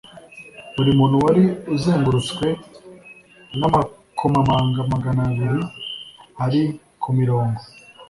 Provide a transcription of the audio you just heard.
Buri mutwe wari uzengurutswe n’amakomamanga magana abiri ari ku mirongo